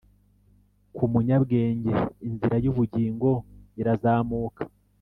ku munyabwenge inzira y’ubugingo irazamuka,